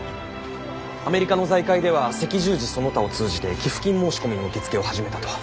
アメリカの財界では赤十字その他を通じて寄付金申し込みの受け付けを始めたと。